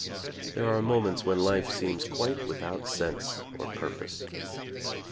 There are mo ments when life seems quite without sense or pur pose.